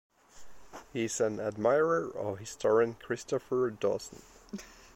He is an admirer of historian Christopher Dawson.